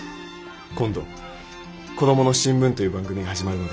今度「コドモの新聞」という番組が始まるのです。